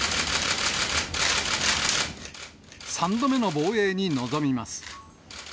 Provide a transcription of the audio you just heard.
３度目の防衛に臨みます。